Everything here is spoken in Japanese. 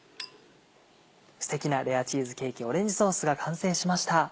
ステキなレアチーズケーキオレンジソースが完成しました。